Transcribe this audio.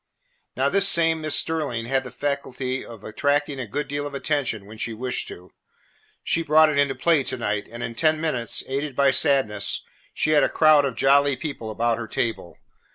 Now, this same Miss Sterling had the faculty of attracting a good deal of attention when she wished to. She brought it into play to night, and in ten minutes, aided by Sadness, she had a crowd of jolly people about her table.